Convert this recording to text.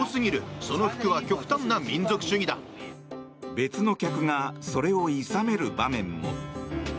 別の客がそれをいさめる場面も。